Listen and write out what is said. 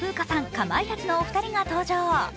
かまいたちのお二人が登場。